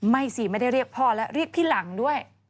สิไม่ได้เรียกพ่อและเรียกพี่หลังด้วย